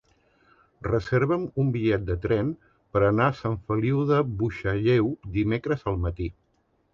Reserva'm un bitllet de tren per anar a Sant Feliu de Buixalleu dimecres al matí.